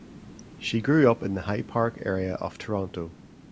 She grew up in the High Park area of Toronto.